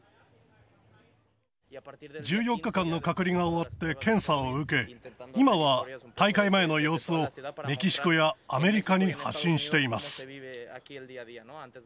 １４日間の隔離が終わって検査を受け、今は大会前の様子を、メキシコやアメリカに発信しています。